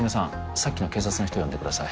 さっきの警察の人呼んでください